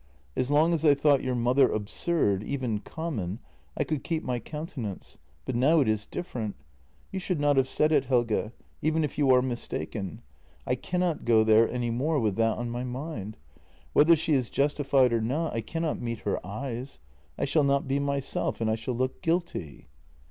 As long as I thought your mother absurd, even common, I could keep my countenance, but now it is different. You should not have said it, Helge — even if you are mistaken. I cannot go there any more with that on my mind. Whether she is justified or not, I cannot meet her eyes. I shall not be myself, and I shall look guilty."